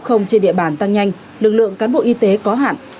thực tế số ca f trên địa bàn tăng nhanh lực lượng cán bộ y tế có hạn